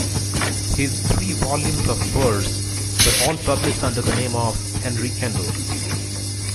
His three volumes of verse were all published under the name of "Henry Kendall".